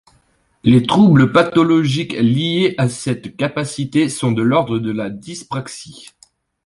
Les troubles pathologiques liés à cette capacités sont de l'ordre de la dyspraxie.